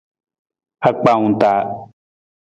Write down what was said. Akpaawung taa.